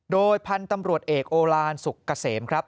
โดยพันธุ์ตำรวจเอกโอลานสุกเกษมครับ